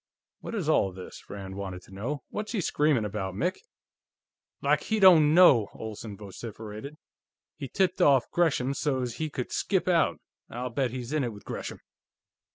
"What is all this?" Rand wanted to know. "What's he screaming about, Mick?" "Like he don't know!" Olsen vociferated. "He tipped off Gresham so's he could skip out; I'll bet he's in it with Gresham!"